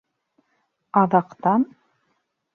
Аҙаҡтан: